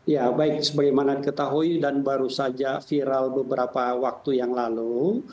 ya baik sebagaimana diketahui dan baru saja viral beberapa waktu yang lalu